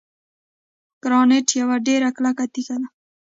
ګرانیټ یوه ډیره کلکه تیږه ده.